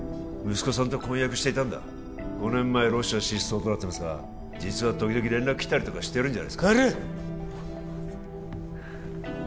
息子さんと婚約していたんだ５年前ロシア失踪となってますが実は時々連絡きたりとかしてるんじゃないですか？